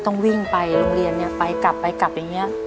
ต้องวิ่งไปโรงเรียนเนี่ยไปกลับไปกลับอย่างนี้